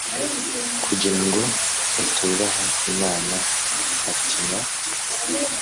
kugira ngo utubaha imana atima,